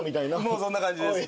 もうそんな感じです。